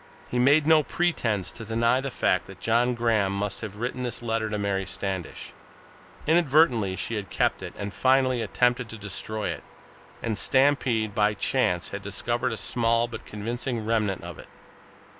He made no pretense to deny the fact that John Graham must have written this letter to Mary Standish; inadvertently she had kept it, had finally attempted to destroy it, and Stampede, by chance, had discovered a small but convincing remnant of it.